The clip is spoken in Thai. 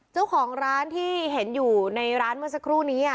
เจ้าของร้านที่เห็นอยู่ในร้านเมื่อสักครู่นี้